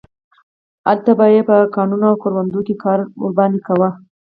هلته به یې په کانونو او کروندو کې کار ورباندې کاوه.